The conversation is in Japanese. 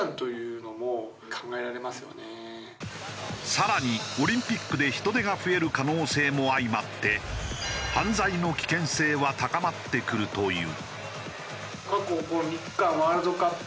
更にオリンピックで人出が増える可能性も相まって犯罪の危険性は高まってくるという。